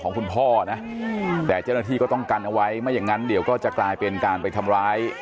คุณพ่อนะแต่เจ้าหน้าที่ก็ต้องกันเอาไว้ไม่อย่างนั้นเดี๋ยวก็จะกลายเป็นการไปทำร้าย